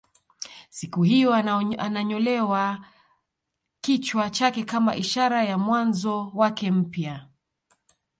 Siku hiyo ananyolewa kichwa chake kama ishara ya mwanzo wake mpya